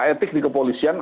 etik di kepolisian